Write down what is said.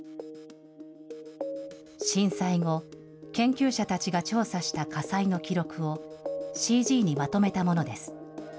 震災後、研究者たちが調査した火災の記録を、ＣＧにまとめたものです。